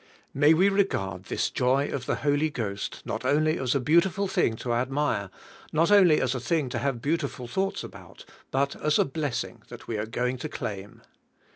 May we regard this joy of the Holy Ghost, not only as a beautiful thing to admire, not only as a thing to have beautiful thoughts about, but as a blessing that we are go ing to claim.